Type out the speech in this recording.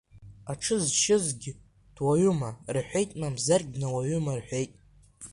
Аҽы зшьызгь дуаҩума, – рҳәеит, мамзаргь бнауаҩума, – рҳәеит.